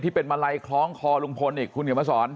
เป็นมาลัยคล้องคอลุงพลอีกคุณเขียนมาสอน